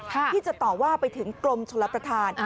ที่จะต่อว่าไปถึงกรมชลประธาน